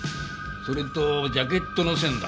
それとジャケットの線だ。